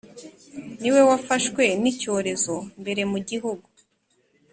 niwe wafashwe n’icyorezo mbere mu gihugu